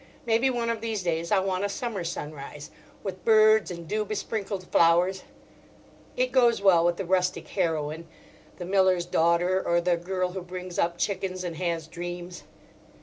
Maybe one of these days I'll want a summer sunrise, with birds and dew besprinkled flowers: it goes well with the rustic heroine, the miller's daughter, or the girl who brings up chickens and has dreams.